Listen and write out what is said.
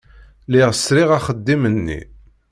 Lliɣ sriɣ axeddim-nni.